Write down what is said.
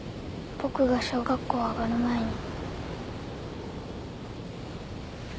僕が小学校上がる前に。